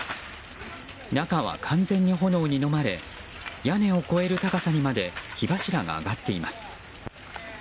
中は完全に炎にのまれ屋根を越える高さにまで火柱が上がっています。